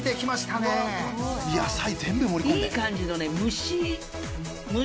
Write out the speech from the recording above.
いい感じのね蒸し。